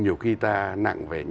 nhiều khi ta nặng về